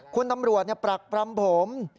คุณตำรวจปรักปรำผม